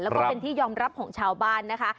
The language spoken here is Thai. แล้วก็เป็นที่ยอมรับของชาวบ้านนะคะ